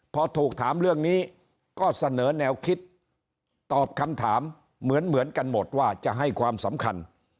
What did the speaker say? พอถูกถามเรื่องนี้ก็เสนอแนวคิดตอบคำถามเหมือนกันหมดว่าจะให้ความสำคัญ